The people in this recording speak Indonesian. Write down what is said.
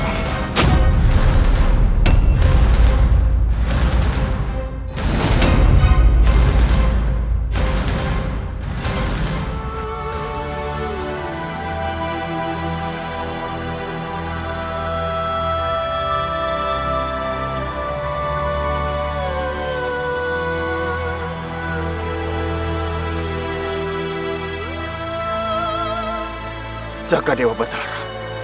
jangan lupa menjaga dewa bersahara